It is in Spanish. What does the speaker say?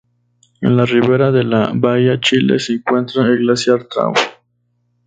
En la ribera de la bahía Chile se encuentra el glaciar Traub.